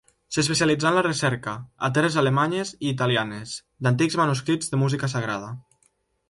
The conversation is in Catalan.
S'especialitzà en la recerca, a terres alemanyes i italianes, d'antics manuscrits de música sagrada.